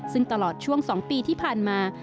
ซึ่งตลอดช่วง๒ปีที่ผ่านมา